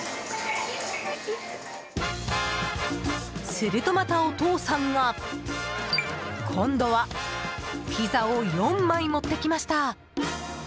すると、またお父さんが今度はピザを４枚持ってきました。